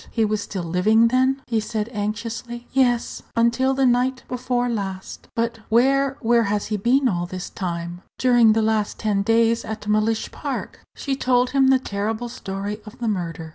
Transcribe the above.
he was still living, then?" he said, anxiously. "Yes; until the night before last?" "But where where has he been all this time?" "During the last ten days at Mellish Park." She told him the terrible story of the murder.